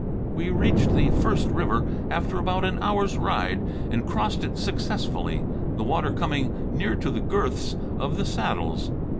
We reached the first river after about an hour's ride, and crossed it successfully, the water coming near to the girths of the saddles.